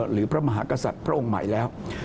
หรือพระมหากษัตริย์พระองค์ใหม่แล้ว